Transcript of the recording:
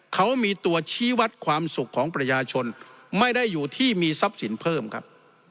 เขามีตัวชี้วัดความสุขของประชาชนไม่ได้อยู่ที่มีทรัพย์สินเพิ่มครับ